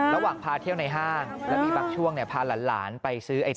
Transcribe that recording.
ระหว่างพาเที่ยวในห้างแล้วมีบางช่วงพาหลานไปซื้อไอ้